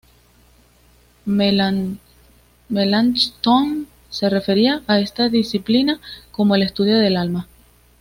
Melanchthon se refería a esta disciplina como "el estudio del alma".